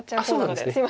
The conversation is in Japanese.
すいません。